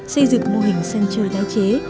xây dựng mô hình sân chơi tái chế